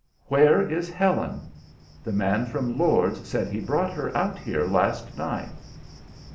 "Where is Helen? The man from Lord's said he brought her out here last night."